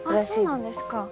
そうなんですか。